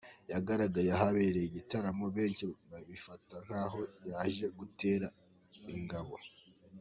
yagaragaye ahabereye igitaramo benshi babifata nkaho yaje gutera ingabo.